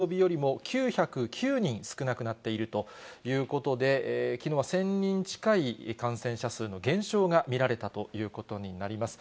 しかし、前の週の同じ曜日よりも９０９人少なくなっているということで、きのうは１０００人近い感染者数の減少が見られたということになります。